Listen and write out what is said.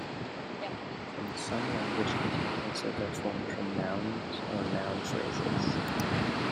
In some languages, possessives are formed from nouns or noun phrases.